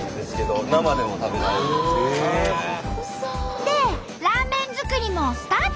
でラーメン作りもスタート。